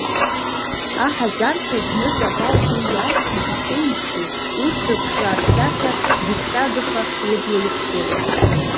Аҳазарқәа зны Ҵабал ду иалсны ицеижьҭеи, урҭ рыԥшра-рсахьа гәыҭҟьагаха лыбла ихгылан.